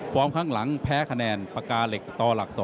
ข้างหลังแพ้คะแนนปากกาเหล็กต่อหลัก๒